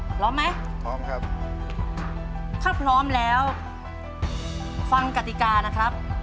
พร้อมไหมพร้อมครับถ้าพร้อมแล้วฟังกติกานะครับ